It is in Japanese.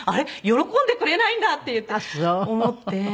喜んでくれないんだっていって思って。